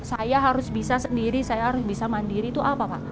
saya harus bisa sendiri saya harus bisa mandiri itu apa pak